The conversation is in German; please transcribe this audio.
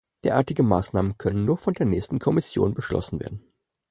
Derartige Maßnahmen können nur von der nächsten Kommission beschlossen werden.